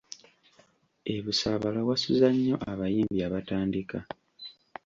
E Busaabala wasuza nnyo abayimbi abatandika.